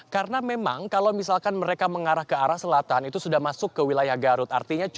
karena memang kalau misalkan mereka mengarah ke arah selatan itu sudah masuk ke wilayah garut